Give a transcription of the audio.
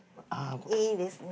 いいですね。